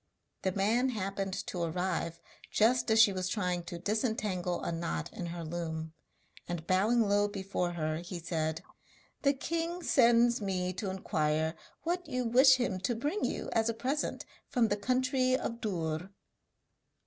The man happened to arrive just as she was trying to disentangle a knot in her loom, and bowing low before her, he said: 'The king sends me to inquire what you wish him to bring you as a present from the country of Dûr?'